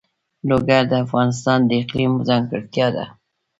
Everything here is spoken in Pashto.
لوگر د افغانستان د اقلیم ځانګړتیا ده.